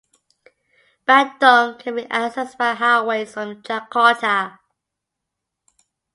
Bandung can be accessed by highways from Jakarta.